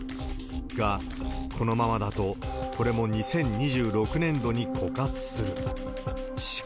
が、このままだとこれも２０２６年度に枯渇する。